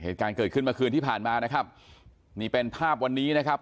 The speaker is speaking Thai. เหตุการณ์เกิดขึ้นเมื่อคืนที่ผ่านมานะครับนี่เป็นภาพวันนี้นะครับ